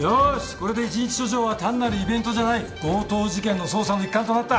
これで１日署長は単なるイベントじゃない強盗事件の捜査の一環となった。